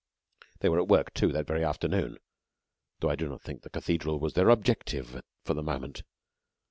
They were at work, too, that very afternoon, though I do not think the cathedral was their objective for the moment.